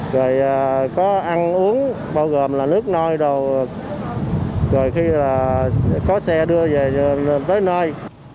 rồi có ăn uống bao gồm là nước nôi đồ rồi khi là có xe đưa về tới nơi